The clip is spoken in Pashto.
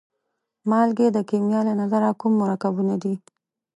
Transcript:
مالګې د کیمیا له نظره کوم مرکبونه دي؟